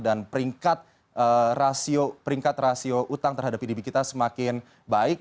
dan peringkat rasio utang terhadap pdb kita semakin baik